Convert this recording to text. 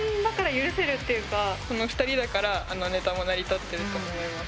あの２人だからあのネタも成り立ってると思います